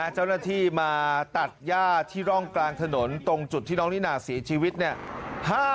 เจ้าหน้าที่มาตัดย่าที่ร่องกลางถนนตรงจุดที่น้องนิน่าเสียชีวิตเนี่ย